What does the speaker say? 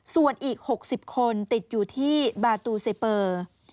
ส่วนอีก๖๐คนติดอยู่ที่บาตูเซเปอร์